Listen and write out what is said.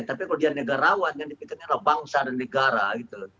tapi kalau dia negarawan yang dipikirkan adalah bangsa dan negara gitu